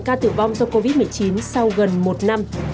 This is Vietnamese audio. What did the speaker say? ca tử vong do covid một mươi chín sau gần một năm